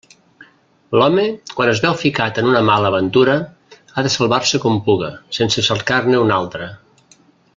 L'home, quan es veu ficat en una mala aventura, ha de salvar-se com puga, sense cercar-ne una altra.